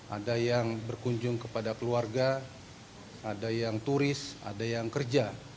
ada yang berkunjung kepada keluarga ada yang turis ada yang kerja